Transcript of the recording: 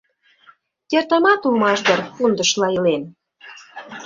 Кертамат улмаш дыр пундышла илен.